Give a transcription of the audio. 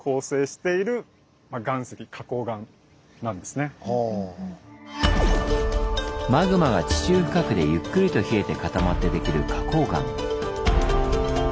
私たちの街のマグマが地中深くでゆっくりと冷えて固まってできる花こう岩。